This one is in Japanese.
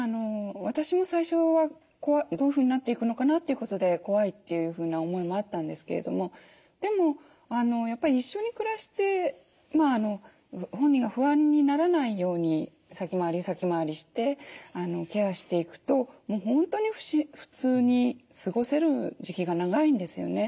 私も最初はどういうふうになっていくのかなっていうことで怖いというふうな思いもあったんですけれどもでも一緒に暮らして本人が不安にならないように先回り先回りしてケアしていくと本当に普通に過ごせる時期が長いんですよね。